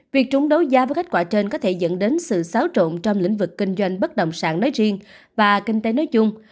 việc trúng đấu giá với kết quả trên có thể dẫn đến sự xáo trộn trong lĩnh vực kinh doanh bất động sản nói riêng và kinh tế nói chung